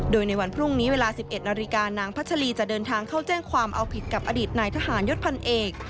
โดยในวันพรุ่งนี้เวลา๑๑นาฬิกานางพัชรีจะเดินทางเข้าแจ้งความเอาผิดกับอดีตนายทหารยศพันเอก